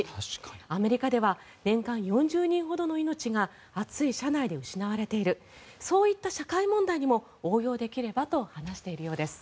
アメリカでは年間４０人ほどの命が暑い車内で失われているそういった社会問題にも応用できればと話しているそうです。